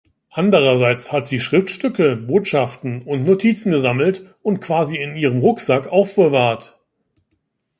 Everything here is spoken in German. Andererseits hat sie Schriftstücke, Botschaften und Notizen gesammelt und quasi in ihrem Rucksack aufbewahrt.